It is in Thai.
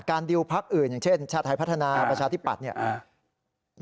ดิวพักอื่นอย่างเช่นชาติไทยพัฒนาประชาธิปัตย์เนี่ย